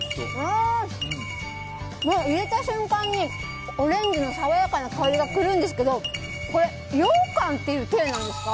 入れた瞬間にオレンジの爽やかな風味が来るんですけど、これようかんというていなんですか？